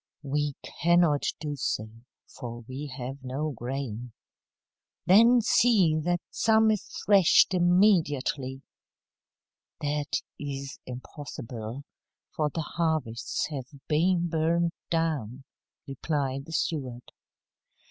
"We cannot do so, for we have no grain." "Then see that some is threshed immediately." "That is impossible, for the harvests have been burned down," replied the steward.